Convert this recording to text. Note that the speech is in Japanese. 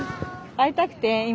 会いたくて今。